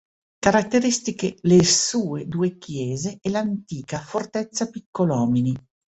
Caratteristiche le sue due chiese e l'antica fortezza Piccolomini.